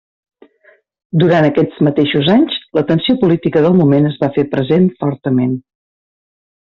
Durant aquests mateixos anys, la tensió política del moment es va fer present fortament.